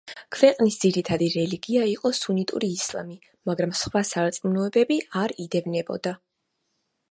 ქვეყნის ძირითადი რელიგია იყო სუნიტური ისლამი, მაგრამ სხვა სარწმუნოებები არ იდევნებოდა.